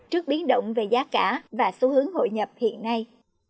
trước biến động về giá cả và xu hướng hội nhập hiện nay